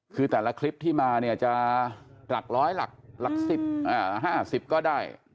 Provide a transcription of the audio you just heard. คือแต่ละคลิปที่มาเนี่ยจะหลักร้อยหลัก๑๐๕๐ก็ได้